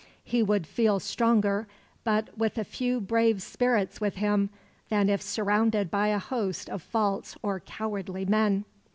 He would feel stronger, with but a few brave spirits with him, than if surrounded by a host of false or cowardly men.